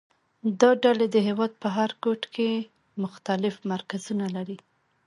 دا ډلې د هېواد په هر ګوټ کې مختلف مرکزونه لري